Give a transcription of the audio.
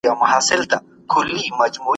ایا څېړونکی باید د خپلو خبرو لپاره ثبوت ولري؟